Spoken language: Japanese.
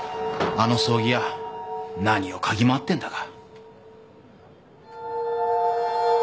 あの葬儀屋何を嗅ぎ回ってんだか。